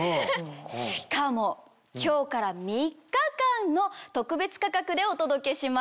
しかも今日から３日間の特別価格でお届けします。